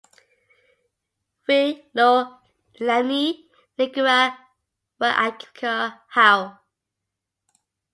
W'ilolenyi ngera w'avika hao.